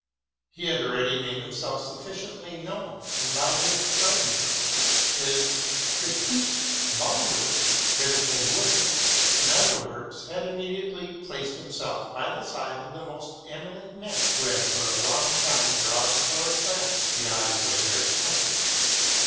He had already made himself sufficiently known; and by his '* Fragments," his ' Kritische Walder "'('* Critical Woods ''), and other works, had immediately placed himself by the side of the most eminent men who had for a long time drawn towards them the eyes of theircountry.